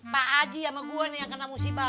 pak aji sama gue nih yang kena musibah